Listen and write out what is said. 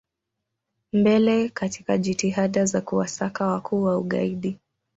mbele katika jitihada za kuwasaka wakuu wa ugaidi